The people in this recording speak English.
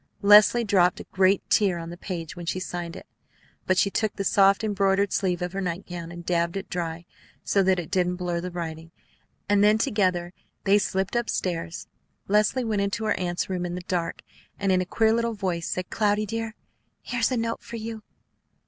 Leslie dropped a great tear on the page when she signed it; but she took the soft, embroidered sleeve of her nightgown, and dabbled it dry, so that it didn't blur the writing; and then together they slipped up stairs. Leslie went into her aunt's room in the dark, and in a queer little voice said, "Cloudy, dear, here's a note for you."